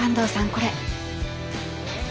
これ。